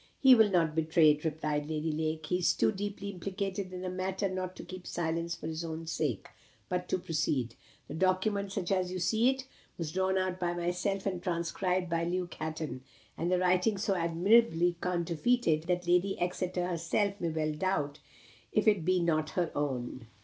"He will not betray it," replied Lady Lake. "He is too deeply implicated in the matter not to keep silence for his own sake. But to proceed. The document, such as you see it, was drawn out by myself and transcribed by Luke Hatton, and the writing so admirably counterfeited that Lady Exeter herself may well doubt if it be not her own.